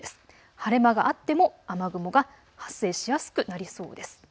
晴れ間があっても雨雲が発生しやすくなりそうです。